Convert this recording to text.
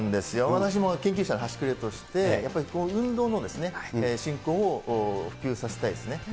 私も研究者の端くれとして、運動の振興を普及させたいですね。